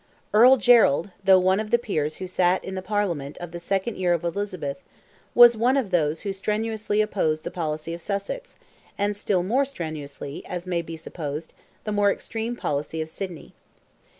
Earl Gerald, though one of the Peers who sat in the Parliament of the second year of Elizabeth, was one of those who strenuously opposed the policy of Sussex, and still more strenuously, as may be supposed, the more extreme policy of Sidney.